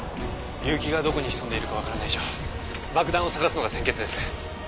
結城がどこに潜んでいるかわからない以上爆弾を捜すのが先決です。